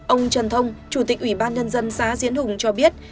ông trần thông chủ tịch ủy ban nhân dân xã diễn hùng cho biết